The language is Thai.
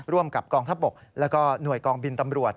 ร่วมกับกองทัพบกแล้วก็หน่วยกองบินตำรวจ